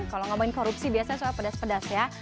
kalau ngomongin korupsi biasanya soal pedas pedas ya